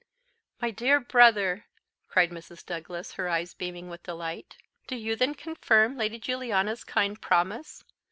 "My dear brother!" cried Mrs. Douglas, her eyes beaming with delight, "do you then confirm Lady Juliana's kind promise?